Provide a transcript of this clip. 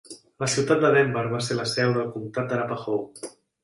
La ciutat de Denver va ser la seu del comtat d'Arapahoe.